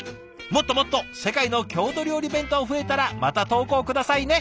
もっともっと世界の郷土料理弁当増えたらまた投稿下さいね。